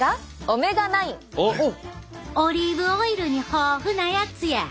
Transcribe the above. オリーブオイルに豊富なやつや。